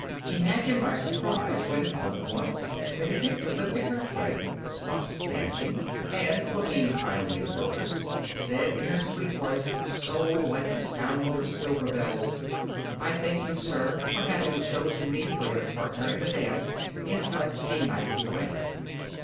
Imagine my surprise when all at once Benedicta lifted her head, stopped dancing, and, looking kindly at Rochus, said in her sweet voice, so like the sound of silver bells: 'I thank you, sir, for having chosen me for your partner in the dance in such a knightly way.